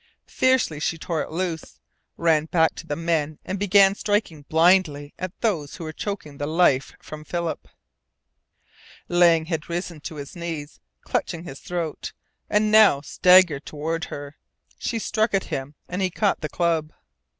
Fiercely she tore it loose, ran back to the men, and began striking blindly at those who were choking the life from Philip. Lang had risen to his knees, clutching his throat, and now staggered toward her. She struck at him, and he caught the club.